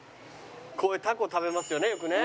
こういうタコ食べますよねよくね。